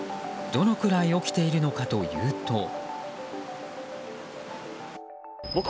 どのくらい起きているのかというと。